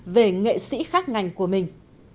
về nghệ sĩ khác ngành của mình